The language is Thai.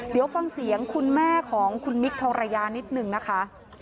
เดี๋ยวฟังเสียงคุณแม่ของคุณมิคทองระยานิดนึงนะคะ